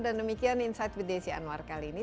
dan demikian insight with desi anwar kali ini